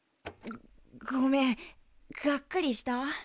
ごめんがっかりした？